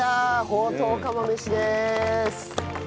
ほうとう釜飯です。